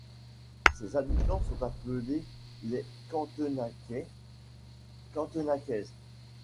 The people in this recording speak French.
Ses habitants sont appelés les Cantenacais, Cantenacaises.